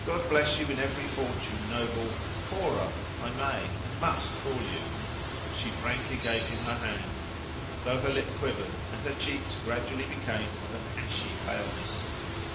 God bless you in every fortune, noble—Cora—I may and must call you." She frankly gave him her hand, though her lip quivered, and her cheeks gradually became of ashly paleness.